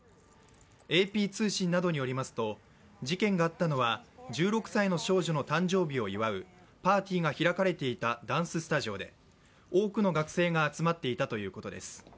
ＡＰ通信などによりますと、事件があったのは１６歳の少女の誕生日を祝うパーティーが開かれていたダンススタジオで、多くの学生が集まっていたということです。